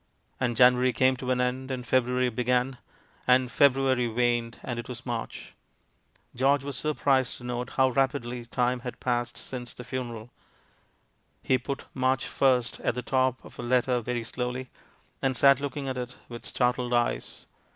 And January came to an end, and February began. And February waned; and it was March. George was surprised to note how rapidly time had passed since the funeral. He put "March 1st" at the top of a letter veiy slowly, and sat looking at it with startled eyes.